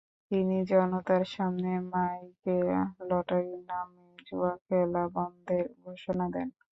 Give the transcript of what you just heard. তিনি জনতার সামনে মাইকে লটারির নামে জুয়া খেলা বন্ধের ঘোষণা দেন।